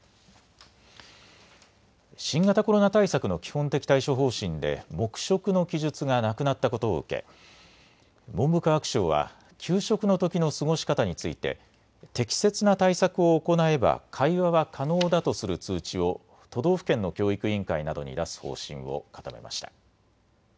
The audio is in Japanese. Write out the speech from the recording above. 新型コロナ対策の基本的対処方針で黙食の記述がなくなったことを受け文部科学省は給食のときの過ごし方について適切な対策を行えば会話は可能だとする通知を都道府県の教育委員会などに出す方針を固めました。